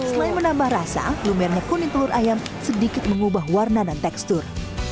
selain menambah rasa lumernya kuning telur ayam sedikit mengubah warna dan tekstur